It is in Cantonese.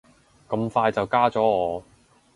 咁快就加咗我